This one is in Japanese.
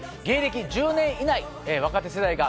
芸歴１０年以内若手世代。